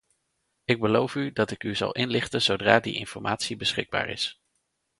Ik beloof u dat ik u zal inlichten zodra die informatie beschikbaar is.